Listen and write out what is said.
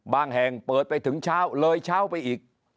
แห่งเปิดไปถึงเช้าเลยเช้าไปอีก